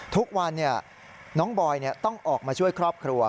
ทุกวันน้องบอยต้องออกมาช่วยครอบครัว